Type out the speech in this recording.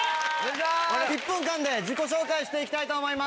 １分間で自己紹介していきたいと思います。